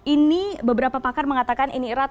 ini beberapa pakar mengatakan ini erat